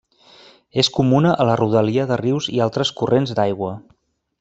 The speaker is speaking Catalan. És comuna a la rodalia de rius i altres corrents d'aigua.